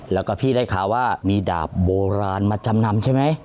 แล้วก็พี่ได้ข่าวว่ามีดาบโบราณมาจำนำใช่ไหม